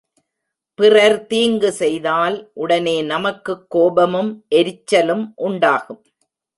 பிறர் தீங்கு செய்தால் உடனே நமக்குக் கோபமும் எரிச்சலும் உண்டாகும்.